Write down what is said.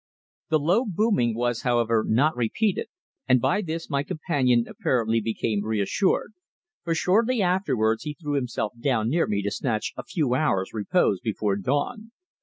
THE low booming was, however, not repeated, and by this my companion apparently became reassured, for shortly afterwards he threw himself down near me to snatch a few hours' repose before dawn.